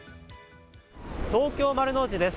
東京丸の内です。